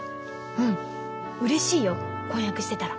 うんうれしいよ婚約してたら。